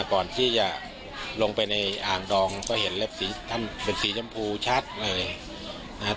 ก่อนที่จะลงไปในอ่างดองก็เห็นเล็บสีท่านเป็นสีชมพูชัดเลยนะครับ